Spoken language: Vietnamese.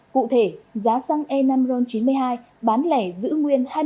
cụ thể giá xăng e năm ron chín mươi hai bán lẻ giữ nguyên hai mươi ba bốn trăm bảy mươi một đồng một lít